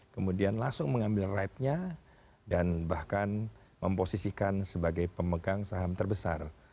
kemudian langsung mengambil ride nya dan bahkan memposisikan sebagai pemegang saham terbesar